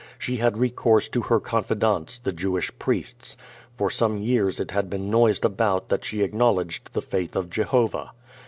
She had recourse to her confidants, the Jewish priests. For some years it had been noised about that she acknowledged the faith of Jehovah.